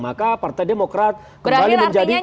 maka partai demokrat kembali menjadi